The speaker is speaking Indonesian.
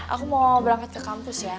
aku mau berangkat ke kampus ya